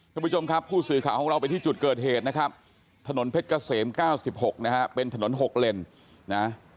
คุณผู้ชมครับผู้สื่อข่าวของเราไปที่จุดเกิดเหตุนะครับถนนเพชรเกษม๙๖นะฮะเป็นถนน๖เลนนะ